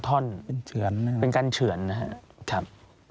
ท่อนเป็นเฉือนเป็นการเฉือนนะครับ